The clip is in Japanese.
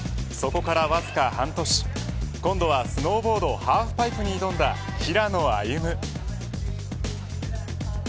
そこからわずか半年今度はスノーボードハーフパイプに挑んだ平野歩夢。